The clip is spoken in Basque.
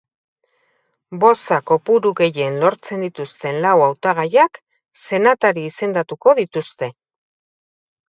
Boza kopuru gehien lortzen dituzten lau hautagaiak senatari izendatuko dituzte.